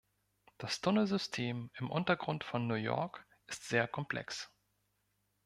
Das Tunnelsystem im Untergrund von New York ist sehr komplex.